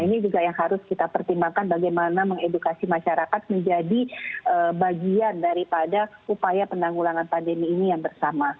ini juga yang harus kita pertimbangkan bagaimana mengedukasi masyarakat menjadi bagian daripada upaya penanggulangan pandemi ini yang bersama